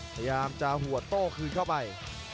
พยายามจะหัวโต้คืนเข้าไป